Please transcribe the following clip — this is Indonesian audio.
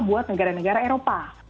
buat negara negara eropa